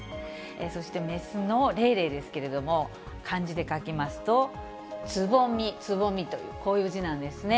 そして雌のレイレイですけれども、漢字で書きますと、蕾蕾という、こういう字なんですね。